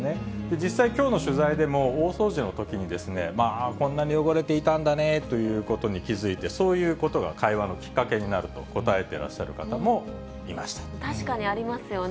実際、きょうの取材でも、大掃除のときに、こんなに汚れていたんだねということに気付いて、そういうことが会話のきっかけになると答えてらっしゃる方もいま確かにありますよね。